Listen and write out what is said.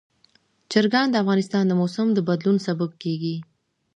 چرګان د افغانستان د موسم د بدلون سبب کېږي.